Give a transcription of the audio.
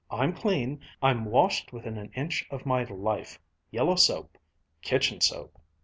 I'm clean. I'm washed within an inch of my life yellow soap kitchen soap!"